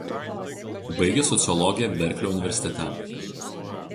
Baigė sociologiją Berklio universitete.